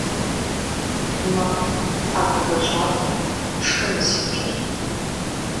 Мэ, хьэ мэжэщӀалӀэхэ, фшхы мы си кӀэр.